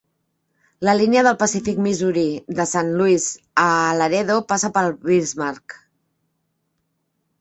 La línia del Pacífic Missouri de Saint Louis a Laredo passa per Bismarck.